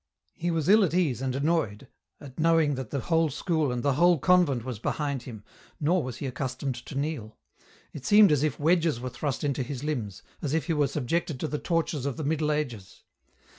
He was ill at ease and annoyed, at knowing that the whole school and the whole convent was behind him, nor was he accustomed to kneel ; it seemed as if wedges were thrust into his limbs, as if he were subjected to the tortures of the Middle Ages.